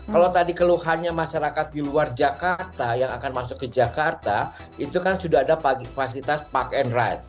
kalau tadi keluhannya masyarakat di luar jakarta yang akan masuk ke jakarta itu kan sudah ada fasilitas park and ride